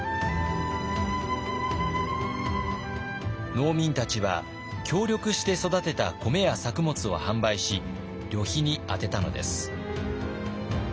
農民たちは協力して育てた米や作物を販売し旅費に充てたのです。